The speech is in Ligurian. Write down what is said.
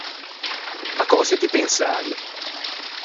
À cöse ti pensavi?